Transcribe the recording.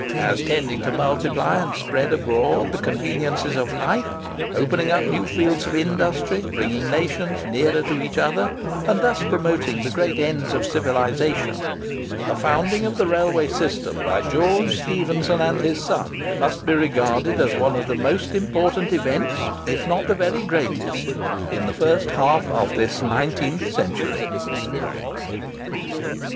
As tending to multiply and spread abroad the conveniences of life, opening up new fields of industry, bringing nations nearer to each other, and thus promoting the great ends of civilisation, the founding of the railway system by George Stephenson and his son must be regarded as one of the most important events, if not the very greatest, in the first half of this nineteenth century.